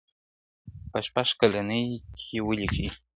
په شپږ کلنی کي ولیکی `